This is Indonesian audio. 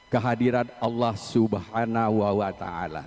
kehadiran allah swt